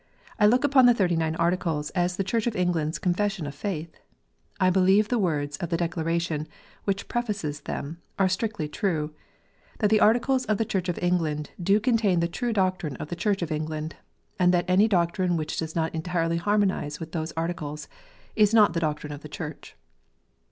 I look upon the Thirty nine Articles as the Church of England s Confession of faith. I believe the words of the declaration which prefaces them are strictly true, " That the Articles of the Church of England do contain the true doctrine of the Church of England," and that any doctrine which does not entirely harmonize with those Articles is not the doctrine of the Church.